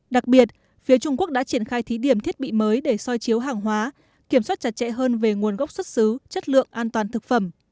đặc biệt phía trung quốc đã triển khai thí điểm thiết bị mới để soi chiếu hàng hóa kiểm soát chặt chẽ hơn về nguồn gốc xuất xứ chất lượng an toàn thực phẩm